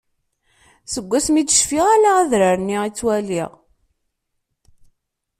Seg asmi d-cfiɣ ala adrar-nni i ttwaliɣ.